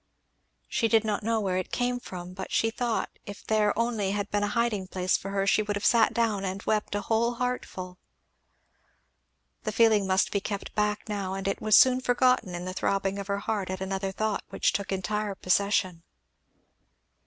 She did not know where it came from, but she thought if there only had been a hiding place for her she could have sat down and wept a whole heartful. The feeling must be kept back now, and it was soon forgotten in the throbbing of her heart at another thought which took entire possession.